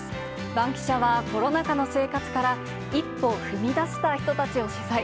バンキシャは、コロナ禍の生活から一歩踏み出した人たちを取材。